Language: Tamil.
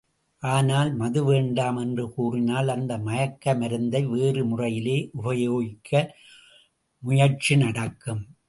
ஆனால் மது வேண்டாம் என்று கூறினால் அந்த மயக்க மருந்தை வேறு முறையிலே உபயோகிக்க முயற்சி நடக்கும்.